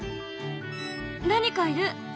何かいる！